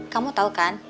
kamu tau kan